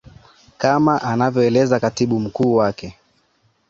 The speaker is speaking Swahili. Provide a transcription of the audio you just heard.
kama anavyoeleza katibu mkuu wake